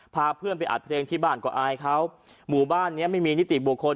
พาเพื่อนไปอัดเพลงที่บ้านก็อายเขาหมู่บ้านเนี้ยไม่มีนิติบุคคล